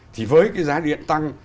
thì với cái giá điện tăng